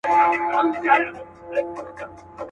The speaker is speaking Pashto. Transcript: پر خوار او پر غریب د هر آفت لاسونه بر دي.